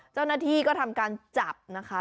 เจ้าหน้าที่ก็ทำการจับนะคะ